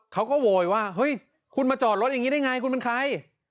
เขาก็โวยว่าเฮ้ยคุณมาจอดรถอย่างนี้ได้ไงคุณเป็นใคร